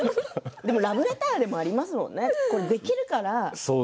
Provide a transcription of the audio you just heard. でもラブレターだというのもありますね、できるから。